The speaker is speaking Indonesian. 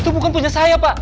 itu bukan punya saya pak